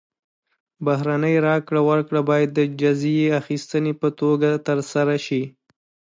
بهرنۍ راکړه ورکړه باید د جزیې اخیستنې په توګه ترسره شي.